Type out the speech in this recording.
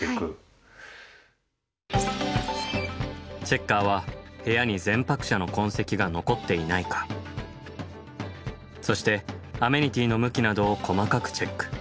チェッカーは部屋に前泊者の痕跡が残っていないかそしてアメニティの向きなどを細かくチェック。